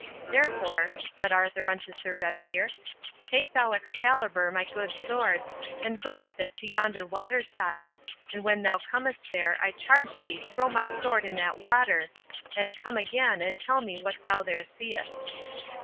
Therefore," said Arthur unto Sir Bedivere, "take thou Excalibar, my good sword, and go with it to yonder water side; and when thou comest there I charge thee throw my sword in that water, and come again and tell me what thou there seest."